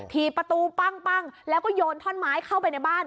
ทีประตูปั้งแล้วก็โยนท่อนไม้เข้าไปในบ้าน